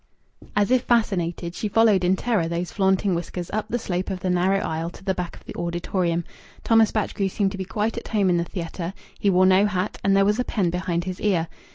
As if fascinated, she followed in terror those flaunting whiskers up the slope of the narrow isle to the back of the auditorium. Thomas Batchgrew seemed to be quite at home in the theatre; he wore no hat and there was a pen behind his ear.